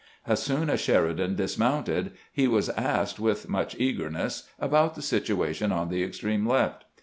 As soon as Sheridan dismounted he was asked with much eagerness about the situation on the extreme left.